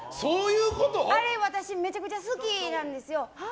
あれ私めちゃめちゃ好きなんですよ。